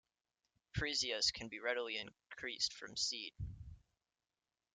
Freesias can be readily increased from seed.